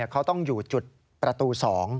เขาต้องอยู่จุดประตู๒